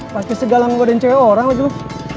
pakai segala menggodain cewek orang aja loh